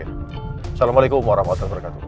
assalamualaikum warahmatullahi wabarakatuh